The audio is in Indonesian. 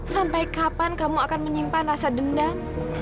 sampai kapan kamu akan menyimpan rasa dendam